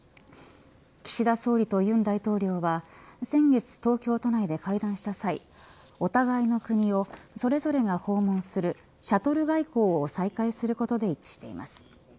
岸田総理と尹大統領は先月、東京都内で会談した際お互いの国をそれぞれが訪問するシャトル外交を再開することで一致しています。